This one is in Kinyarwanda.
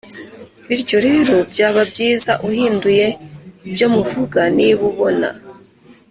Bityo rero byaba byiza uhinduye ibyo muvuga niba ubona